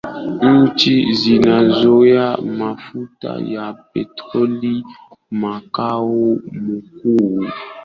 nchi zinazozaa mafuta ya petroli Makao makuu